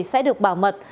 sẽ được bảo mật